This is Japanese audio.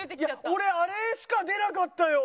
俺あれしか出なかったよ！